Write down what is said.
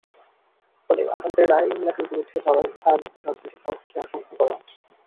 ফলে আদালতের রায় ইংলাকের বিরুদ্ধে যাওয়ায় ভয়াবহ রাজনৈতিক সংঘর্ষের আশঙ্কা করা হচ্ছে।